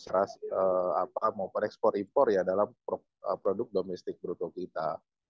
dan juga mempengaruhi ekspor impor ya dalam produk domestik berutuh kita